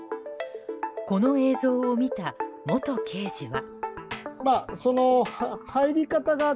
この映像を見た元刑事は。